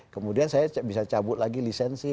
kemudian saya bisa cabut lagi lisensi